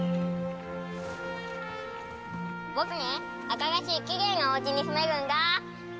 僕ね新しいきれいなお家に住めるんだ！